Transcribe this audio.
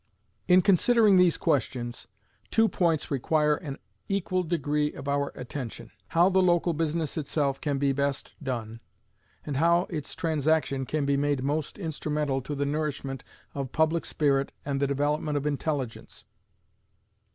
In considering these questions, two points require an equal degree of our attention: how the local business itself can be best done, and how its transaction can be made most instrumental to the nourishment of public spirit and the development of intelligence.